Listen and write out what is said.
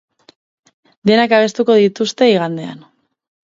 Denak abestuko dituzte igandean.